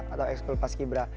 atau ekspel pask ibra